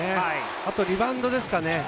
あとリバウンドです。